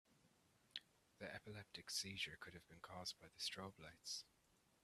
The epileptic seizure could have been cause by the strobe lights.